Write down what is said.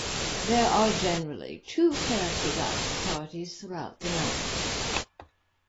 There are generally two character dance parties throughout the night.